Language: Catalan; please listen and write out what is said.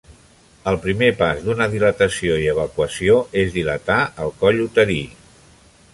El primer pas en d'un dilatació i evacuació és dilatar el coll uterí.